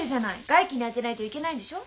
外気に当てないといけないんでしょ？